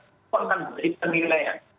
kita akan beri pemilihan